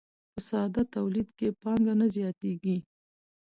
په ساده تولید کې پانګه نه زیاتېږي